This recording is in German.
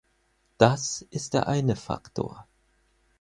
Das ist der eine Faktor.